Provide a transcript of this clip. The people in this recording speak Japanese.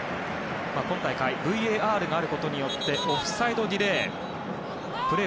今大会、ＶＡＲがあることによりオフサイドディレイ。